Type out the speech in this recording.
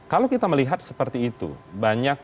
kalau kita melihat seperti itu banyak